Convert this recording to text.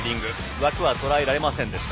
枠はとらえられませんでした。